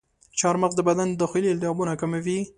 چارمغز د بدن داخلي التهابونه کموي.